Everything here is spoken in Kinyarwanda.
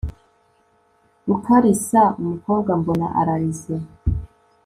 gukarisa umukobwa mbona ararize